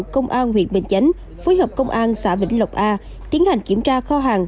công an huyện bình chánh phối hợp công an xã vĩnh lộc a tiến hành kiểm tra kho hàng